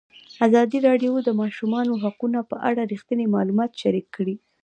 ازادي راډیو د د ماشومانو حقونه په اړه رښتیني معلومات شریک کړي.